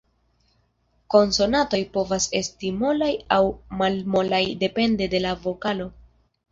Konsonantoj povas esti molaj aŭ malmolaj depende de la vokalo.